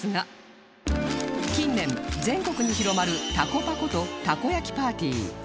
近年全国に広まるたこパことたこ焼きパーティー